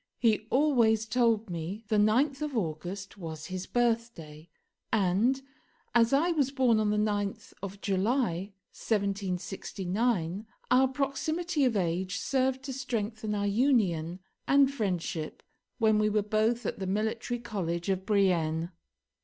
He always told me the 9th of August was his birthday, and, as I was born on the 9th of July 1769, our proximity of age served to strengthen our union and friendship when we were both at the Military College of Brienne.